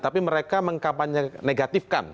tapi mereka mengkampanye negatifkan